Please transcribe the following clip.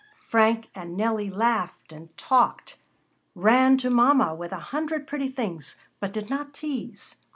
Frank and Nellie laughed and talked, ran to mama with a hundred pretty things, but did not tease.